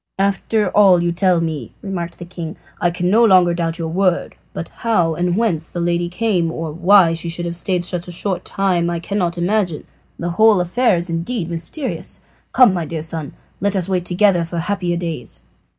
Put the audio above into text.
"After all you tell me," remarked the king, "I can no longer doubt your word; but how and whence the lady came, or why she should have stayed so short a time I cannot imagine. The whole affair is indeed mysterious. Come, my dear son, let us wait together for happier days."